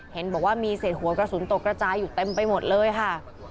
เห็นบอกว่ามีเศษหัวกระสุนตกกระจายอยู่เต็มไปหมดเลยค่ะ